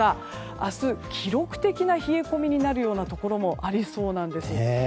明日、記録的な冷え込みになるようなところもありそうです。